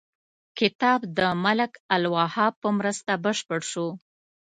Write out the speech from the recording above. کتاب د ملک الوهاب په مرسته بشپړ شو.